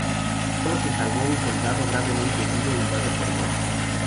Sólo se salvó un soldado, gravemente herido y dado por muerto.